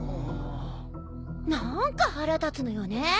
なんか腹立つのよね。